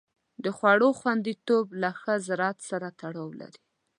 د خوړو خوندیتوب له ښه زراعت سره تړاو لري.